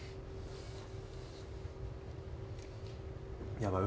やばい。